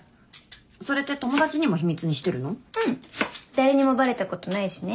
誰にもバレたことないしね。